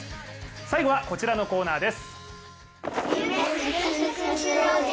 最後はこちらのコーナーです。